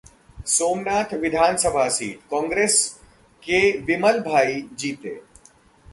सोमनाथ विधानसभा सीट: कांग्रेस के विमलभाई जीते